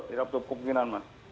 tidak berpengenan mas